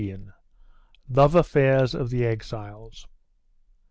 LOVE AFFAIRS OF THE EXILES.